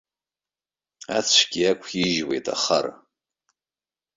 Ацәгьа иақәижьуеит ахара.